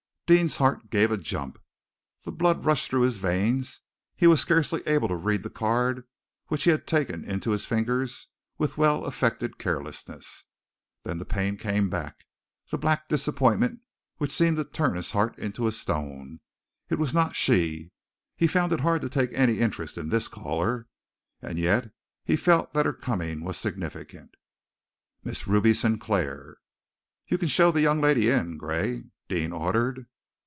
Deane's heart gave a jump, the blood rushed through his veins, he was scarcely able to read the card which he had taken into his fingers with well affected carelessness. Then the pain came, the black disappointment which seemed to turn his heart into a stone. It was not she! He found it hard to take any interest in this caller, and yet he felt that her coming was significant. Miss Ruby Sinclair. "You can show the young lady in, Gray," Deane ordered.